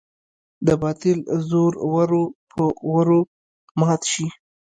د باطل زور ورو په ورو مات شي.